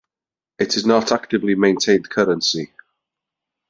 It is not actively maintained currently.